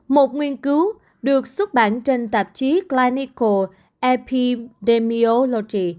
một nghiên cứu được xuất bản trên tạp chí clinical epidemiology